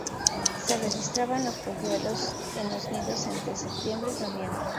Se registraban los polluelos en los nidos entre septiembre y noviembre.